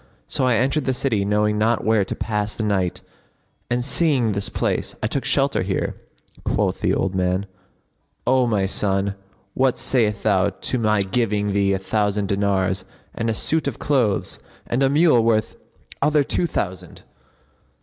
So I entered the city knowing not where to pass the night and, seeing this place, I took shelter here." Quoth the old man, "O my son, what sayest thou to my giving thee a thousand dinars and a suit of clothes and a mule worth other two thousand?"